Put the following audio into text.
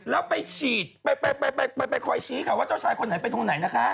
แล้วไปฉีดไปคอยชี้ค่ะว่าเจ้าชายคนไหนไปตรงไหนนะคะ